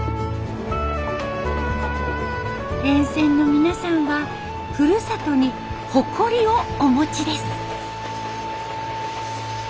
沿線の皆さんはふるさとに誇りをお持ちです。